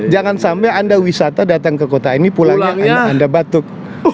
jangan sampai anda wisata datang ke kota ini pulangnya anda batuk